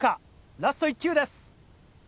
ラスト１球です。